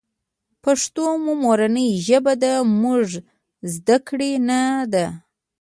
پښتو مو مورنۍ ژبه ده مونږ ذده کــــــــړې نۀ ده